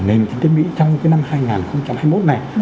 nền kinh tế mỹ trong cái năm hai nghìn hai mươi một này